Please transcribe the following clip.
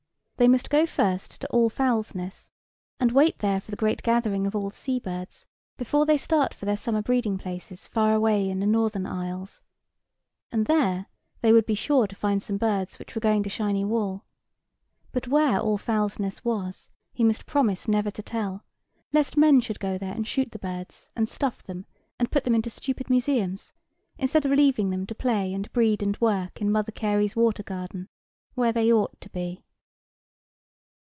They must go first to Allfowlsness, and wait there for the great gathering of all the sea birds, before they start for their summer breeding places far away in the Northern Isles; and there they would be sure to find some birds which were going to Shiny Wall: but where Allfowlsness was, he must promise never to tell, lest men should go there and shoot the birds, and stuff them, and put them into stupid museums, instead of leaving them to play and breed and work in Mother Carey's water garden, where they ought to be.